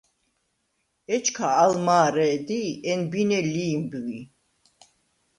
ეჩქა ალ მა̄რე̄დი̄ ენბინე ლი̄მბვი: